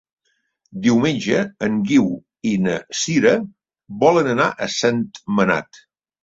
Diumenge en Guiu i na Sira volen anar a Sentmenat.